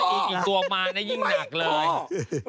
อีกตัวมาน่ะยิ่งหนักเลยไม่พอ